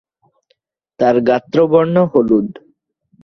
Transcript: তার গাত্রবর্ণ হলুদ।